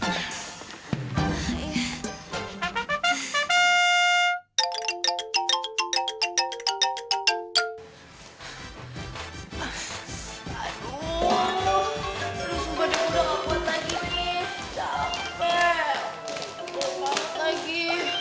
dapet gak kuat lagi